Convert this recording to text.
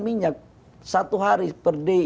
minyak satu hari per day